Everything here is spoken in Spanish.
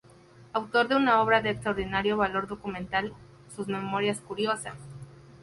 Autor de una obra de extraordinario valor documental, sus "Memorias Curiosas".